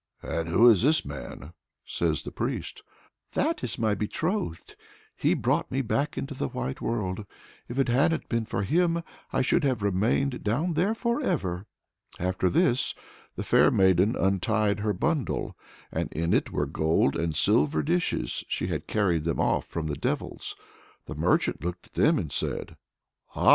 "And who is this man?" says the priest. "That is my betrothed. He brought me back into the white world; if it hadn't been for him I should have remained down there for ever!" After this the fair maiden untied her bundle, and in it were gold and silver dishes: she had carried them off from the devils. The merchant looked at them and said: "Ah!